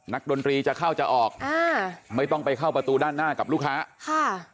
ดนตรีจะเข้าจะออกอ่าไม่ต้องไปเข้าประตูด้านหน้ากับลูกค้าค่ะ